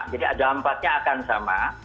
jadi dampaknya akan sama